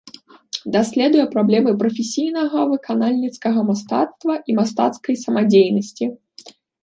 Даследуе праблемы прафесійнага выканальніцкага мастацтва і мастацкай самадзейнасці.